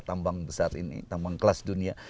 tambang besar ini tambang kelas dunia